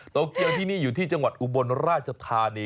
เคียวที่นี่อยู่ที่จังหวัดอุบลราชธานี